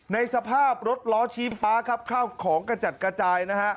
ในสภาพรถล้อชี้ฟ้าครับข้าวของกระจัดกระจายนะฮะ